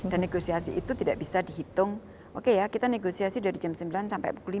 dan negosiasi itu tidak bisa dihitung oke ya kita negosiasi dari jam sembilan sampai pukul lima